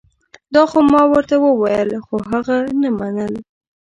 دا خو ما ورته وویل خو هغه نه منل